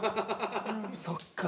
そっか。